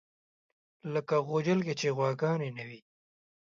لکه غوجل کې چې غواګانې نه وي.